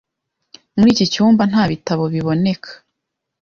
Muri iki cyumba nta bitabo biboneka.